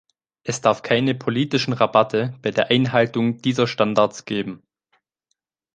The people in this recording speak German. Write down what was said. Es darf keine politischen Rabatte bei der Einhaltung dieser Standards geben.